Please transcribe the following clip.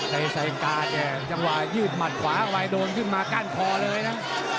ใครใส่กาแยกจังหว่ายืดหมัดขวาไว้โดนขึ้นมากั้นพอเลยนะ